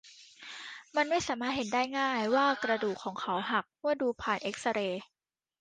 มันสามารถเห็นได้ง่ายว่ากระดูกของเขาหักเมื่อดูผ่านเอ็กซเรย์